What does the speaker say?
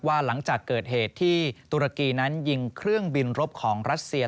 หลังจากเกิดเหตุที่ตุรกีนั้นยิงเครื่องบินรบของรัสเซีย